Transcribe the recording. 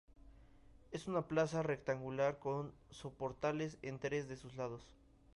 Es una plaza rectangular con soportales en tres de sus lados.